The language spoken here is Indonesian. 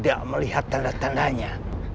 dia lagi dia lagi